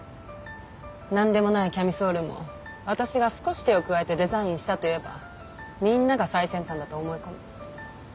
なんでもないキャミソールも私が少し手を加えてデザインしたと言えばみんなが最先端だと思い込む。